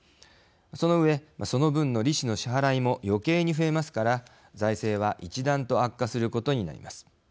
その上、その分の利子の支払いも余計に増えますから財政は一段と悪化することになります。